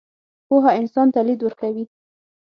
پوهه انسان ته لید ورکوي.